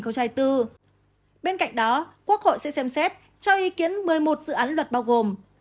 bên cạnh đó quốc hội sẽ xem xét cho ý kiến một mươi một dự án luật bao gồm